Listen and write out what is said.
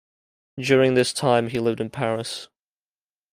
During this time he lived in Paris.